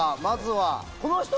まずは。